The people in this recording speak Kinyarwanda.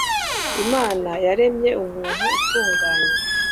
Imana yaremye umuntu atunganye.